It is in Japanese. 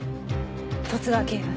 十津川警部。